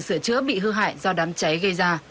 sửa chữa bị hư hại do đám cháy gây ra